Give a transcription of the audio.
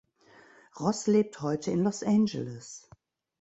Ross lebt heute in Los Angeles.